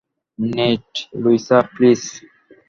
Neat, - Luisa, please!